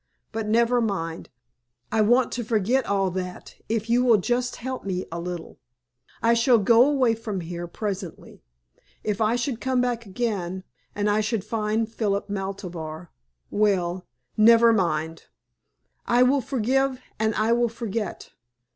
But never mind, I want to forget all that if you will just help me a little. I shall go away from here, presently. If I should come back again, and I should find Philip Maltabar well never mind. I will forgive, and I will forget.